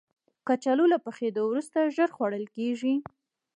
کچالو له پخېدو وروسته ژر خوړل کېږي